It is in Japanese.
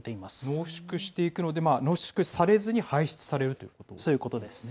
濃縮していくので、濃縮されずに排出されるということですね。